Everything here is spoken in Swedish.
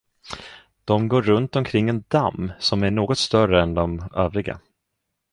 De går runt omkring en damm, som är något större än de övriga.